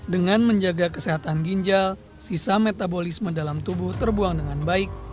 dengan menjaga kesehatan ginjal sisa metabolisme dalam tubuh terbuang dengan baik